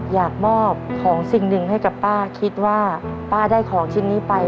อยากมอบของสิ่งหนึ่งให้กับป้าคิดว่าป้าได้ของชิ้นนี้ไป